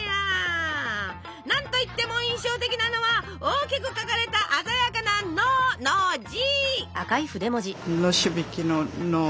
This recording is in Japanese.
何といっても印象的なのは大きく書かれた鮮やかな「の」の字！